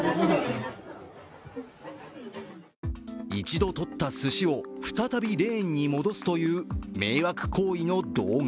一度とったすしを再びレーンに戻すという迷惑行為の動画。